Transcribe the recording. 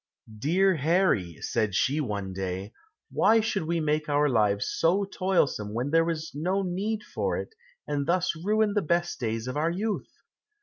"Dear Harry," said she one day, "why should we make our lives so toilsome when there is no need for it, and thus ruin the best days of our youth?